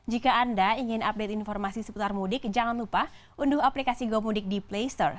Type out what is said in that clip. jika anda ingin update informasi seputar mudik jangan lupa unduh aplikasi gomudik di play store